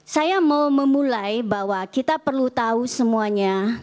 saya mau memulai bahwa kita perlu tahu semuanya